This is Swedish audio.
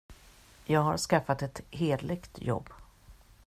Jag har skaffat ett hederligt jobb.